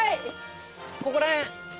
ここら辺！